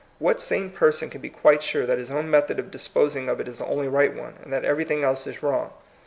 What sane person can be quite sure that his own method of disposing of it is the only right one, and that everything else is wrong?